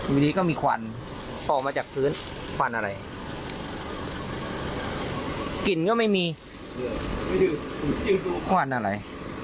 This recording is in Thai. ทีนี้ก็มีควันออกมาจากพื้นควันอะไรกลิ่นก็ไม่มีควันอะไร